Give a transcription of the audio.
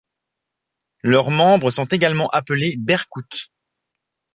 Leurs membres sont également appelés berkouts.